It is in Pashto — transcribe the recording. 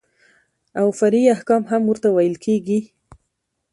او فرعي احکام هم ورته ويل کېږي.